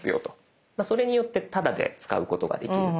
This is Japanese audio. それによってタダで使うことができる。